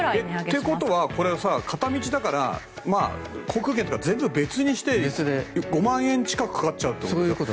ということはこれは片道だから航空券とか全部別にして５万近くかかっちゃうってこと？